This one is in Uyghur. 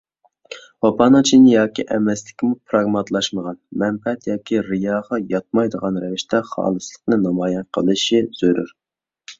ۋاپانىڭ چىن ياكى ئەمەسلىكىمۇ پىراگماتلاشمىغان، مەنپەئەت ياكى رىياغا ياتمايدىغان رەۋىشتە خالىسلىقىنى نامايان قېلىشى زۆرۈر.